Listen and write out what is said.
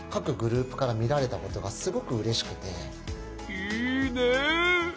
いいね！